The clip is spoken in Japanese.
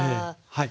はい。